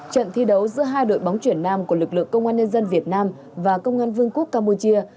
trận thi đấu giữa hai đội bóng chuyển nam của lực lượng công an nhân dân việt nam và công an vương quốc campuchia